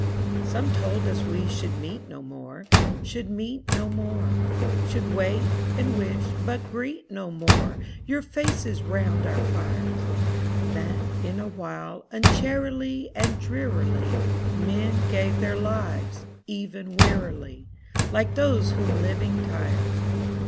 III Some told us we should meet no more, Should meet no more; Should wait, and wish, but greet no more Your faces round our fires; That, in a while, uncharily And drearily Men gave their lives—even wearily, Like those whom living tires.